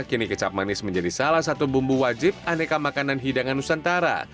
kini kecap manis menjadi salah satu bumbu wajib aneka makanan hidangan nusantara